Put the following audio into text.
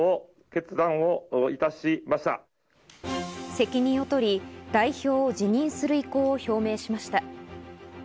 責任を取り代表を辞任する意向を表明しました。